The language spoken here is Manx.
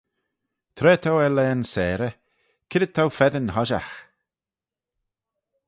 Tra t'ou er laghyn-seyrey, c'red t'ou feddyn hoshiaght?